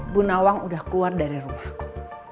bu nawang udah keluar dari rumahku